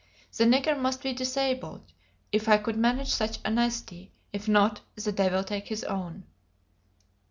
The nigger must be disabled, if I could manage such a nicety; if not, the devil take his own.